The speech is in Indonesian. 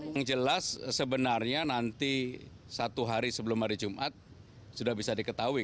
yang jelas sebenarnya nanti satu hari sebelum hari jumat sudah bisa diketahui